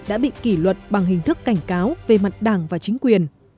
đã bị kỷ luật bằng hình thức cảnh cáo về mặt đảng và chính quyền